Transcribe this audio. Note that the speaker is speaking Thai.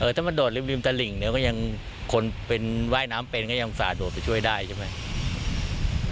ถ้ามาโดดริมตลิ่งเนี่ยก็ยังคนเป็นว่ายน้ำเป็นก็ยังฝ่าโดดไปช่วยได้ใช่ไหม